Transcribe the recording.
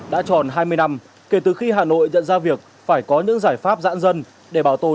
đã tròn hai mươi năm kể từ khi hà nội nhận ra việc phải có những giải pháp giãn dân để bảo tồn